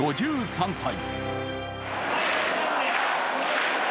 ５３歳。